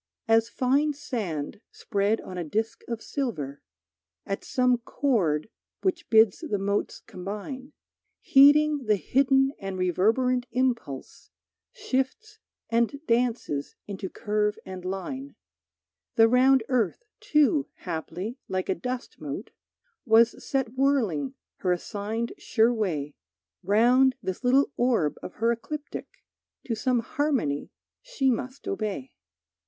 As fine sand spread on a disc of silver, At some chord which bids the motes combine, Heeding the hidden and reverberant impulse, Shifts and dances into curve and line, The round earth, too, haply, like a dust mote, Was set whirling her assigned sure way, Round this little orb of her ecliptic To some harmony she must obey.